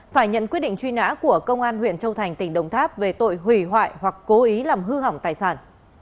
phải nhận quyết định truy nã của công an huyện châu thành tỉnh đồng tháp về tội hủy hoại hoặc cố ý làm hư hỏng tài sản